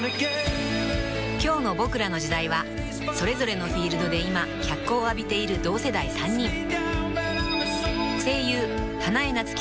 ［今日の『ボクらの時代』はそれぞれのフィールドで今脚光を浴びている同世代３人］